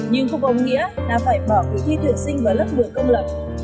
nhưng không có nghĩa là phải bỏ việc thi thuyền sinh vào lớp một mươi công lập